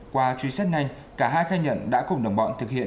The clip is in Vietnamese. qua truy xét nhanh cả hai khai nhận đã cùng đồng bọn thực hiện